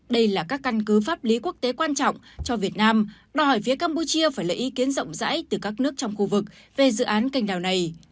đây là các căn cứ pháp lý quốc tế quan trọng cho việt nam đòi hỏi phía campuchia phải lấy ý kiến rộng rãi từ các nước trong khu vực về dự án cành đào này